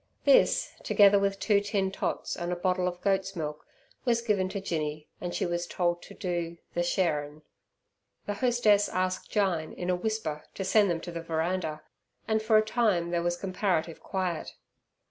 This, together with two tin tots and a bottle of goat's milk, was given to Jinny and she was told to do "ther sharin'". The hostess asked Jyne in a whisper to send them to the veranda, and for a time there was comparative quiet.